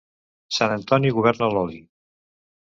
Sant Antoni governa l'oli.